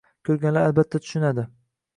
Ko‘rganlar albatta tushunadi.